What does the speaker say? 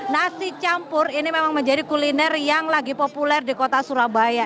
nasi campur ini memang menjadi kuliner yang lagi populer di kota surabaya